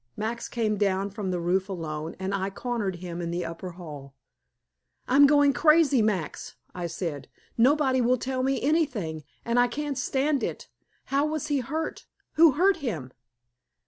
Max came down from the roof alone, and I cornered him in the upper hall. "I'm going crazy, Max," I said. "Nobody will tell me anything, and I can't stand it. How was he hurt? Who hurt him?"